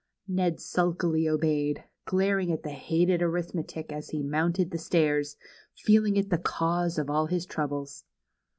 Ned sulkily obeyed, glaring at the bated arithmetic as be mounted the stairs, feeling it the cause of all his troubles.